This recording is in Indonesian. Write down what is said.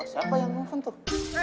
siapa yang nelfon tuh